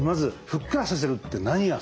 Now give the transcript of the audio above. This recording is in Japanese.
ふっくらさせるは？